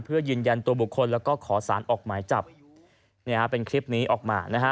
เพื่อยืนยันตัวบุคคลแล้วก็ขอสารออกหมายจับเนี่ยฮะเป็นคลิปนี้ออกมานะฮะ